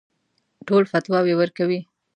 ټول فتواوې ورکوي.